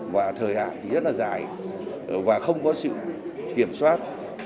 và thời hạn thì rất là dài và không có sự kiểm soát